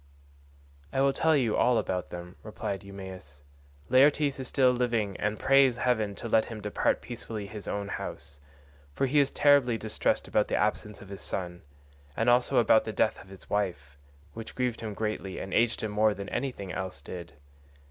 "I will tell you all about them," replied Eumaeus, "Laertes is still living and prays heaven to let him depart peacefully in his own house, for he is terribly distressed about the absence of his son, and also about the death of his wife, which grieved him greatly and aged him more than anything else did.